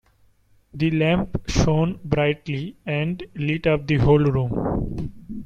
The lamp shone brightly and lit up the whole room.